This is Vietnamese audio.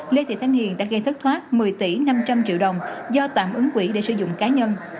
lê thị thanh hiền đã gây thất thoát một mươi tỷ năm trăm linh triệu đồng do tạm ứng quỹ để sử dụng cá nhân